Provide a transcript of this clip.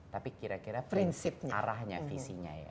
tapi kira kira prinsip arahnya visinya ya